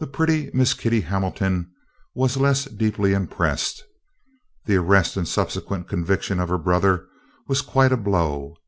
The pretty Miss Kitty Hamilton was less deeply impressed. The arrest and subsequent conviction of her brother was quite a blow.